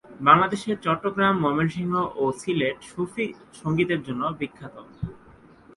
বাংলাদেশের চট্টগ্রাম, ময়মনসিংহ, ও সিলেট সুফি সঙ্গীতের জন্য বিশেষভাবে বিখ্যাত।